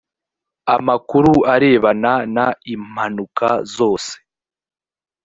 amakuru arebana n impanuka zose